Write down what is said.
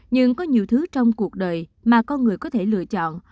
nhưng có nhiều thứ trong cuộc đời mà con người có thể lựa chọn